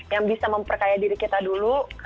yang bisa memperkaya diri kita dulu